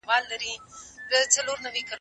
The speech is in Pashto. بیکاري د هیواد اقتصاد ته ګټه نه رسوي.